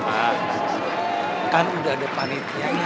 ah kan udah ada panitian ya